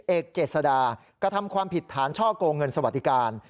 เอกเจษดากระทำความผิดฐานช่อกงเงินสวัสดิการ